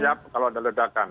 siap siap kalau ada ledakan